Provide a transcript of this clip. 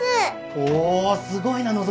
おおすごいな希。